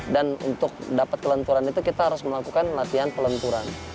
dan untuk dapat kelenturan itu kita harus melakukan latihan pelenturan